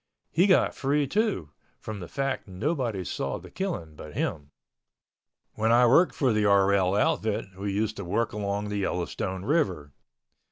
He got free, too, from the fact nobody saw the killing but him. When I worked for the RL outfit, we used to work along the Yellowstone River.